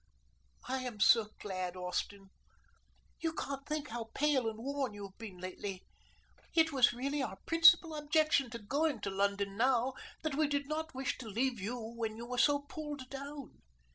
"I am so glad, Austin. You can't think how pale and worn you have been lately. It was really our principal objection to going to London now that we did not wish to leave you when you were so pulled down.